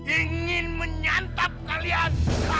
ingin menyantap kalian